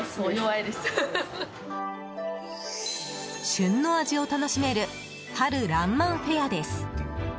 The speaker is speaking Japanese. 旬の味を楽しめる春爛漫フェアです。